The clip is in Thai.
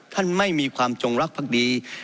ท่านไม่มีความจงรักพรรคดี